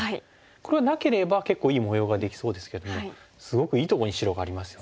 これがなければ結構いい模様ができそうですけどもすごくいいとこに白がありますよね。